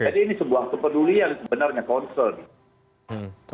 jadi ini sebuah kepedulian sebenarnya konsul